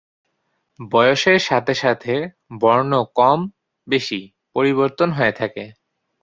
বয়সের সাথে সাথে বর্ণ কম-বেশি পরিবর্তন হয়ে থাকে।